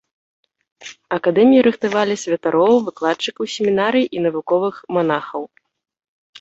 Акадэміі рыхтавалі святароў, выкладчыкаў семінарый і навуковых манахаў.